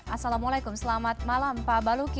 assalamualaikum selamat malam pak baluki